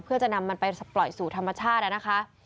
เพื่อจะนำมันไปปล่อยสู่ธรรมชาตินะคะ